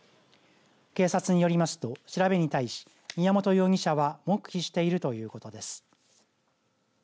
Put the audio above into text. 警察によりますと、調べに対し宮本容疑者は黙秘しているということです。